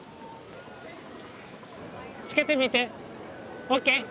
つけてみてＯＫ？